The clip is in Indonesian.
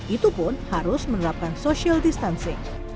itu pun harus menerapkan social distancing